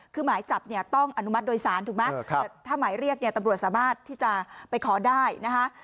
คือหมายจับเนี่ยต้องอนุมัติโดยสารถูกไหมถ้าหมายเรียกเนี่ยตำรวจสามารถที่จะไปขอได้นะคะ